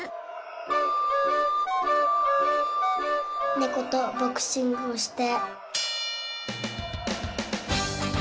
ねことボクシングをして。